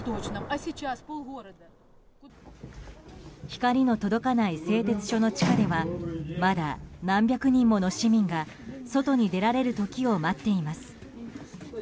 光の届かない製鉄所の地下ではまだ何百人もの市民が外に出られる時を待っています。